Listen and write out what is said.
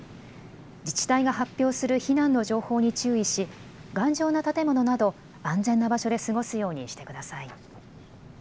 自治体が発表する避難の情報に注意し頑丈な建物など安全な場所で過ごすようにしてください。